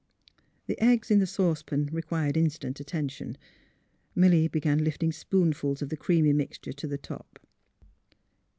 The eggs in the sancepan required instant at tention. Milly began lifting spoonfuls of the creamy mixture to the top.